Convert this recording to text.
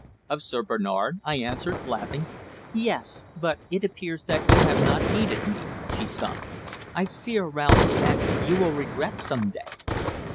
"Of Sir Bernard?" I observed, laughing. "Yes. But it appears that you have not heeded me," she sighed. "I fear, Ralph, that you will regret some day."